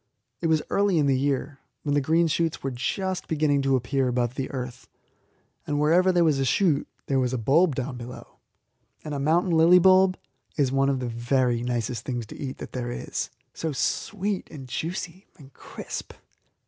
It was early in the year, when the green shoots were just beginning to appear above the earth; and wherever there was a shoot there was a bulb down below. And a mountain lily bulb is one of the very nicest things to eat that there is so sweet, and juicy, and crisp!